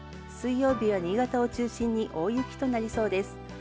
水曜日は新潟を中心に大雪となりそうです。